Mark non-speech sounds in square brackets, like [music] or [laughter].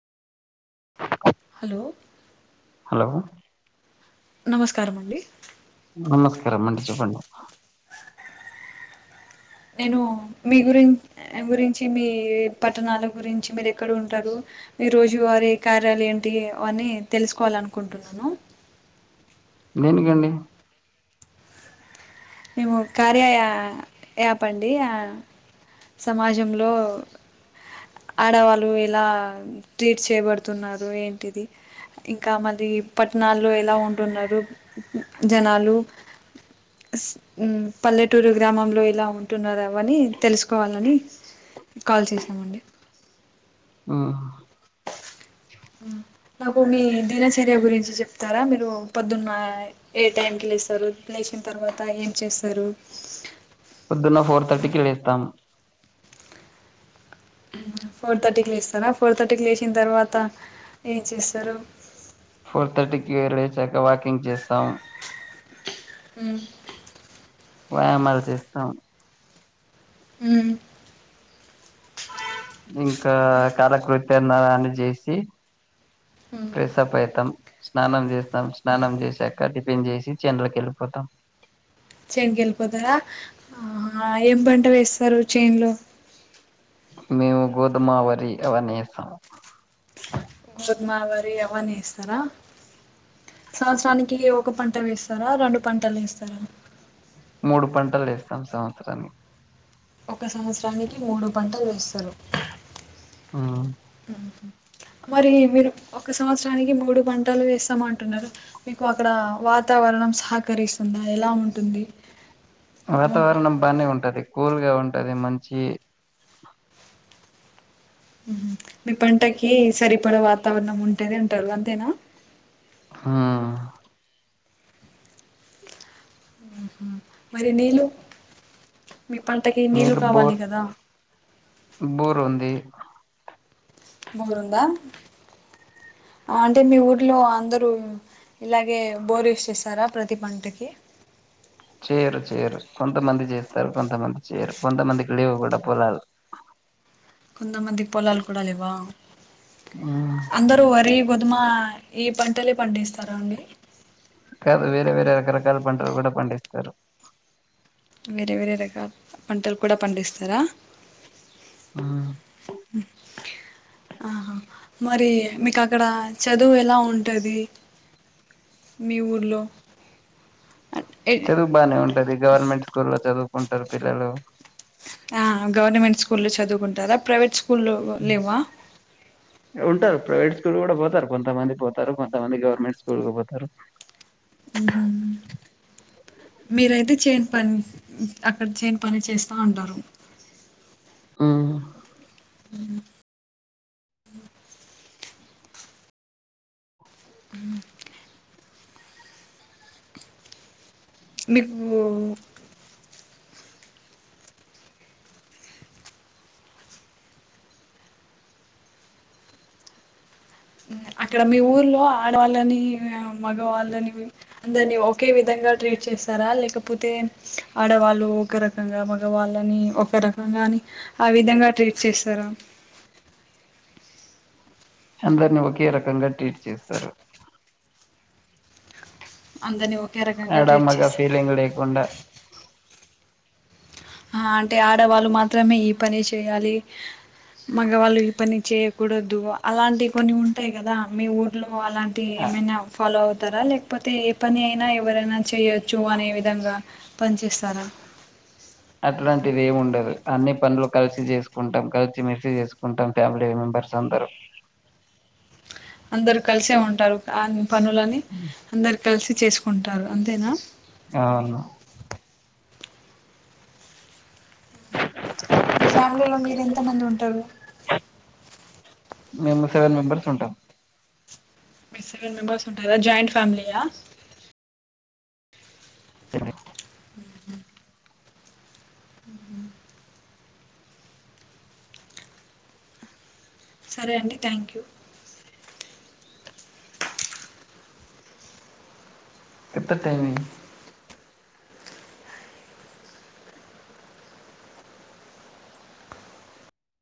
Hello hello నమస్కారం అండి రం అండి చెప్పండి నేను మీ గురిన్ గురించి మీ పట్టణాల గురించి మీరెక్కడ ఉంటారు మీ రోజువారీ కార్యాలు ఏంటి వన్నీ తెలుసుకోవాలనుకుంటున్నాను దేనికండి మేము కార్య యాప్ అండి ఆ సమాజంలో ఆడవాళ్ళు ఎలా ట్రీట్ చేయబడుతున్నారు ఏం టిది ఇంకా మళ్ళీ పట్టణాల్లో ఎలా ఉంటున్నరు జనాలు ఉమ్ పల్లెటూరు గ్రామంలో ఏలా ఉన్ టున్నారు అవ్వని తెలుసుకోవాలని కాల్ చేసామండి ఊహ్ ఉమ్ నాకు మీ దినచర్య గురించి చెప్తారా మీరు పొద్దున్న ఏ టైంకి లేస్తారు లేచిన తర్వాత ఏం చేస్తారు పొద్దున్న ఫోర్ థర్టీకిి లేస్తాం ఫోర్ థర్టీకి లేస్తారా ఫోర్ థర్టీకి లేచిన తర్వాత ఏం చేస్తారు ఫోర్ థర్టీకి [unintelligible] లేచాక వాకింగ్ చేస్తాం ఉమ్ వ్యాయామాలు చేస్తాం ఊ ఇంకా కాలకృత్యన్న అన్నీ చేసి ఉమ్ ప్రెసప్ ఐతాం స్నానం చేస్తాం స్నానం చేసాక డి నేన్ జేసిచ్చి అందులొకెళ్ళిపోతాం చెన్ కెల్పోతారా ఆ ఏం పంట వేస్ తారు చేన్లో మేము గోధుమ వరి అవన్నీ ఏస్తాం దుమాల వరి అవన్నీ ఎస్తారా సంవత్సరానికి యో ఒక్క పంట వేస్తారా రెండు పంటలేస్తారా మూడు పంటలేస్తాం సం చరాని క్క సంవత్సరానికి మూడు పంటలు వేస్తరు మ్మ్ ఊహూ మరి మీరు ఒక్క సంవత్సరానికి మూడు పంటలు వేస్తాం అంటున్నారు మీకు అక్కడ వాతావరణం సహకరిస్తుందా ఎలా ఉంటుంది వాతావరణం బానే ఉంటది కూల్ గా ఉన్ టదే మంచి ఊహూ మీ పంటకి సరిపడ వాతావరణం ఉంటది అంటరు అంతేనా హా ఉహు మరి నీళ్ళు మీ పంటకి నీళ్ళు మిల్ కావాలి బోర్ కదా బోరు ఉంది ముగురుందా. ఆంటే మీ ఊర్లో అందర్. డు ఇలాగే బోర్ యూజ్ చేస్తారా ప్రతి పంటకి చేయరు చేయరు కొంతమంది జేస్తారు కొంతమంది చెయ్యరు కొంతమందికి లేవ్ గూడా పోలాలు. కొంతమందికి పొలాల్ కూడా లె. ఉమ్, అందరు వరి గొధుమా. ఈ పంటలే పండిస్తరా అండి. కాదు వేరే వేరే రకరకాల పంటలు గూడా పండిస్తారు. వేరే వేరే రకాల్ ప పంటల్ కూడా పండిస్తారా. ఉమ్. ఆహా మరీ మీక్ అక్కడ చదువు ఎలా ఉంటది మీ ఊర్లో. చదువ్ బానే ఉంటది గవర్నమెంట్ స్కూల్లో చదువ్. ఉంటరు పిల్లలు. ఆ గవర్నమెంట్ స్కూల్లో చదువుకుంటారా ప్రైవేట్ స్కూ. ఉంటారు ప్రైవేట్ స్కూ. తూల్ గుడా పోతారు కొంతమంది పోతారు కొంతమంది గవర్నమెంట్ స్కూల్ కు పోతారు. హు హ్మ్ మీరైతే చేన్ పని. అక్కడ చేన్ పని చేస్తా అంటారు. హు హ్మ్. ఉమ్. ఉమ్. మీక్ మూ. [unintelligible] అక్కడ మీ ఊర్లో ఆడవాళ్ళని మగవాళ్ళని. అందర్నీ ఒకే విధంగా ట్రీట్ చేస్తారా లేకపోతే. అడవాళ్ళు ఊకరకంగా. వాళ్ళని ఒక రకంగాని ఆ విధంగా ట్రీట్ చేస్తారా. అందర్నీ ఒకే రకంగా ట్వీట్ చేస్తారు. అందరినీ ఒకే రకంగా ట్రీట్ ఎడమగా చేస్తారు ఫీలింగ్ లేకుండా. ఆ అంటే ఆడవాళ్ళు మాత్రమే ఈ పనే చేయాలి. మగవాళ్ళు ఈ పని చేయక్. కూడదు అలాంటి కొన్ని ఉంటాయి గదా మీ ఊర్లో. నువ్ అలాంటి ఆ, ఏమైనా ఫాలో అవు. తర లేకపోతే ఏ పని ఐనా ఎవరైనా. చేయొచ్చు అనే విధంగా. పన్చేస్తారా. అట్లాంటిది ఏమి ఉండదు అన్ని పనులు కలిసి చేసుకుంటాం కలిసి. మస్ చేసుకుంటాం ఫ్యామిలీ మెంబర్స్ అందరూ అందరు కలిసే ఉంటారు కా పనులని అందరు కలిసి చేసుకుంటారు అంతేనా ఆను మీ ఫ్యామిలీలో మీరు ఎంత మంది ఉంటారు మేము సెవెన్ మెంబర్స్ ఉంటాం మీ సెవెన్ మెంబెర్స్ ఉంటారా జాయింట్ ఫ్యామిలీయా [inaudible] ఉ సరే అండి థ్యాంక్ యూ ఎ టైమ్ ఇ